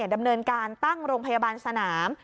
ดำเนินการตั้งโรงพยาบาลสนาม